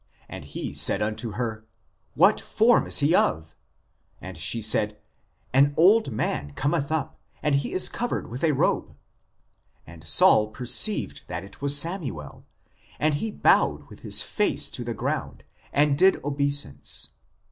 And he said unto her, What form is he of ? And she said, An old man cometh up ; and he is covered with a robe. And Saul perceived that it was Samuel, and he bowed with his face to the ground, and did obeisance.